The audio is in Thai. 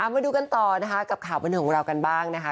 มาดูกันต่อนะคะกับข่าวบันเทิงของเรากันบ้างนะคะ